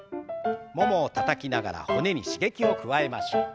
ももをたたきながら骨に刺激を加えましょう。